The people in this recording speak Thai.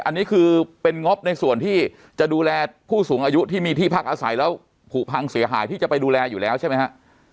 อันนี้คือเป็นงบในส่วนที่จะดูแลผู้สูงอายุที่มีที่พักอาศัยแล้วผูกพังเสียหายที่จะไปดูแลอยู่แล้วใช่ไหมฮะ